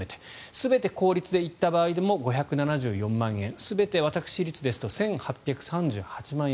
全て公立で行った場合でも５７４万円全て私立ですと１８３８万円。